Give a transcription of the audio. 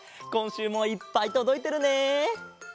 こんしゅうもいっぱいとどいてるね！